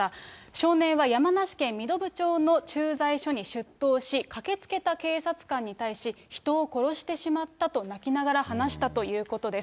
少年は山梨県身延町の駐在所に出頭し、駆けつけた警察官に対し、人を殺してしまったと泣きながら話したということです。